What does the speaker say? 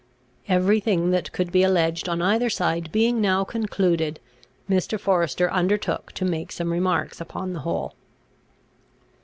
Every thing that could be alleged on either side being now concluded, Mr. Forester undertook to make some remarks upon the whole.